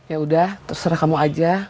yaudah terserah kamu aja